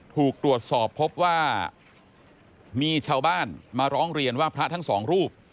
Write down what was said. ถูกตรวจสอบพบว่ามีชาวบ้านมาร้องเรียนว่าพระทั้งสองรูป